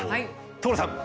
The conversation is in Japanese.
所さん！